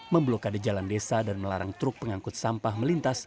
memblokade jalan desa dan melarang truk pengangkut sampah melintas